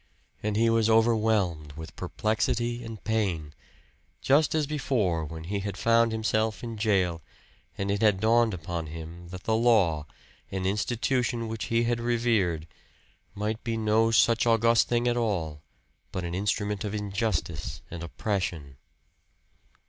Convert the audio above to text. And he was overwhelmed with perplexity and pain just as before when he had found himself in jail, and it had dawned upon him that the Law, an institution which he had revered, might be no such august thing at all, but an instrument of injustice and oppression.